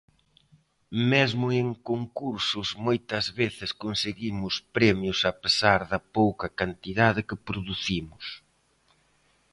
Mesmo en concursos moitas veces conseguimos premios a pesar da pouca cantidade que producimos.